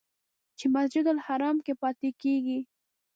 چې مسجدالحرام کې پاتې کېږي.